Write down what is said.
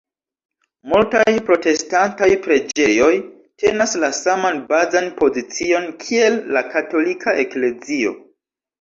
Multaj protestantaj preĝejoj tenas la saman bazan pozicion kiel la katolika eklezio.